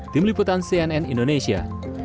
tim liputan cnn indonesia